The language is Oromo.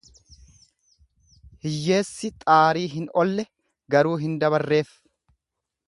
Hiyyeessi xaariin hin olle garuu hin dabarreef.